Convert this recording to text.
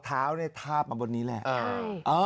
แท้วทาบมาบนนี้แหละ